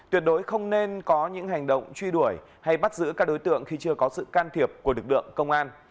tuyệt đối không nên có những hành động truy đuổi hay bắt giữ các đối tượng khi chưa có sự can thiệp của lực lượng công an